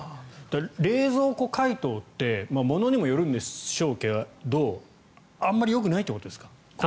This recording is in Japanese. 冷蔵庫解凍って物にもよるんでしょうけどあまりよくないってことですか？